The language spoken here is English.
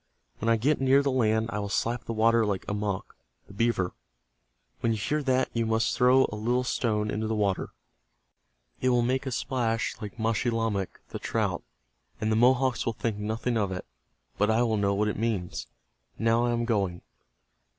When I get near the land I will slap the water like Amoch, the beaver. When you hear that you must throw a little stone into the water. It will make a splash like Maschilamek, the trout, and the Mohawks will think nothing of it. But I will know what it means. Now I am going."